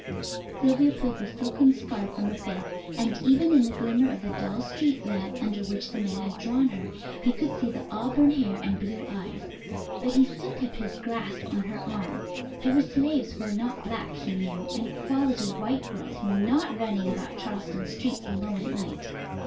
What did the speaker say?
Sylvia pulled the silken scarf from her face, and even in the glimmer of the dull street lamp under which the man had drawn her he could see the auburn hair and blue eyes. But he still kept his grasp on her arm. There were slaves who were not black, he knew, and "quality white" girls were not running about Charleston streets alone at night.